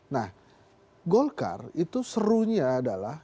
nah golkar itu serunya adalah